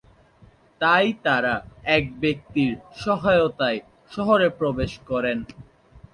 তাই তারা এক ব্যক্তির সহায়তায় শহরে প্রবেশ করেন।